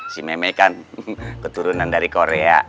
si meme kan keturunan dari korea